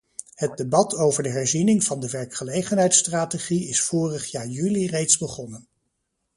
Het debat over de herziening van de werkgelegenheidsstrategie is vorig jaar juli reeds begonnen.